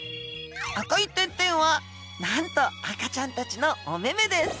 赤い点々はなんと赤ちゃんたちのおめめです。